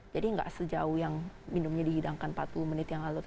jadi tidak sejauh yang minumnya dihidangkan empat puluh menit yang lalu